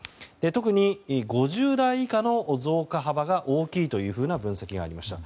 特に５０代以下の増加幅が大きいという分析がありました。